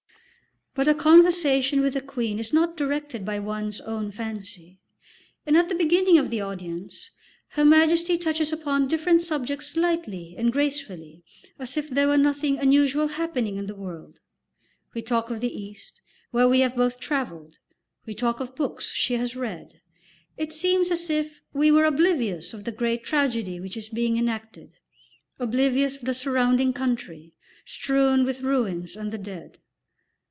But a conversation with a queen is not directed by one's own fancy, and at the beginning of the audience Her Majesty touches upon different subjects lightly and gracefully as if there were nothing unusual happening in the world. We talk of the East, where we have both travelled; we talk of books she has read; it seems as if we were oblivious of the great tragedy which is being enacted, oblivious of the surrounding country, strewn with ruins and the dead.